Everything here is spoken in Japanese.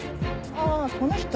ああこの人。